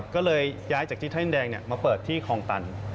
ก็เลยย้ายจากที่ท่าดินแดงเนี่ยมาเปิดที่คองตัน